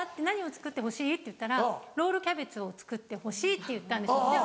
「何を作ってほしい？」って言ったら「ロールキャベツを作ってほしい」って言ったんですよ。